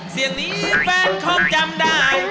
เสียงนี้แฟนคงจำได้